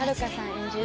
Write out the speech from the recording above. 演じる